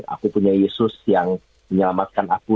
aku punya yesus yang menyelamatkan aku